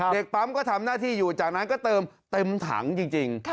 เด็กปั๊มก็ทำหน้าที่อยู่จากนั้นก็เติมเต็มถังจริง